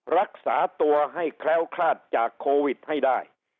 รักษาตัวให้แคล้วคลาดจากโควิดให้ได้